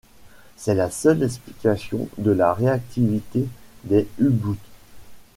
C'est la seule explication de la réactivité des U-Boots.